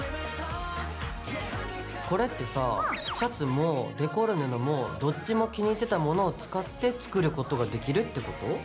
これってさシャツもデコる布もどっちも気に入ってたものを使って作ることができるってこと？